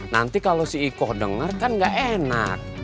nanti kalau si iko denger kan nggak enak